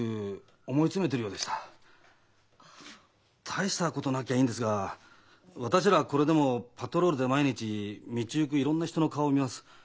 大したことなきゃいいんですが私らこれでもパトロールで毎日道行くいろんな人の顔を見ます。